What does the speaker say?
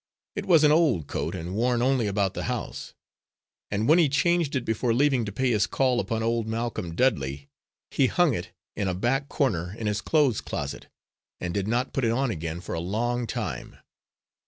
It was an old coat, and worn only about the house; and when he changed it before leaving to pay his call upon old Malcolm Dudley, he hung it in a back corner in his clothes closet, and did not put it on again for a long time.